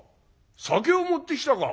酒を持ってきたか？」。